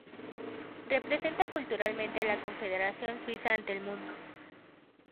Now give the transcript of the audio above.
Representa culturalmente a la Confederación Suiza ante el mundo.